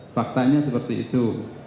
faktanya seperti itu